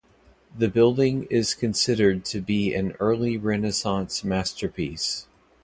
The building is considered to be an Early Renaissance masterpiece.